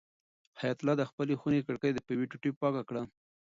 حیات الله د خپلې خونې کړکۍ په یوې ټوټې پاکه کړه.